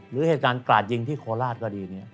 หรือเหตุการณ์กราดยิงที่โคราชก็ดีเนี่ย